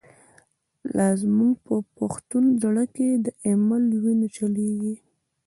لاز موږ په پښتون زړه کی، ”دایمل” وینه چلیږی